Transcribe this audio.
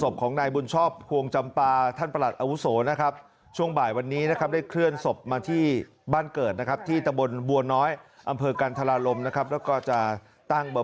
บอกว่าเลือกไว้ย่าหลายเนี่ยงในบ้าน